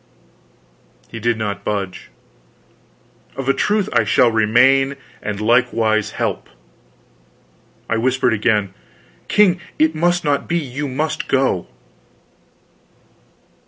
He did not budge. "Of a truth I shall remain and likewise help." I whispered again: "King, it must not be. You must go."